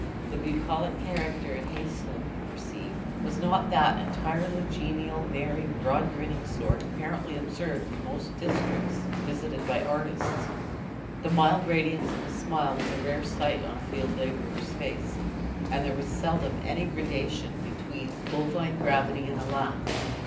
The bucolic character at Hayslope, you perceive, was not of that entirely genial, merry, broad grinning sort, apparently observed in most districts visited by artists. The mild radiance of a smile was a rare sight on a field labourer's face, and there was seldom any gradation between bovine gravity and a laugh.